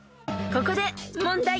［ここで］